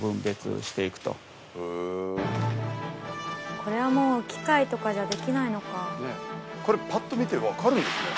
これはもう機械とかじゃできないのかねぇこれパッと見てわかるんですね